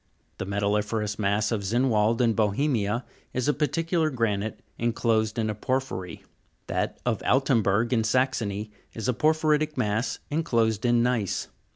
The metalli'ferous mass of Zinwald, in Bohemia, is a particular granite enclosed in a porphyry; that of Altemberg, in Saxony, is a ' porphyritic mass enclosed in gneiss.